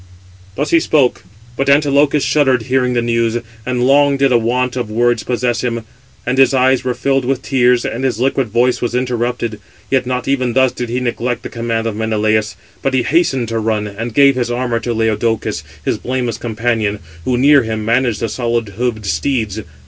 Thus he spoke; but Antilochus shuddered, hearing the news; and long did a want of words possess him; and his eyes were filled with tears, and his liquid voice was interrupted. Yet not even thus did he neglect the command of Menelaus; but he hastened to run, and gave his armour to Laodocus, his blameless companion, who, near him, managed the solid hoofed steeds.